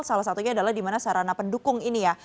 salah satunya adalah dimana sarana pendukung ini ya